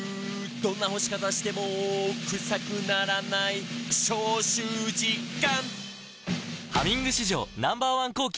「どんな干し方してもクサくならない」「消臭実感！」